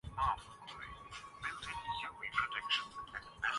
مقدمہ تو بھٹو صاحب کے خلاف بنا تھا۔